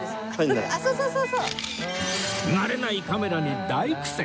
慣れないカメラに大苦戦！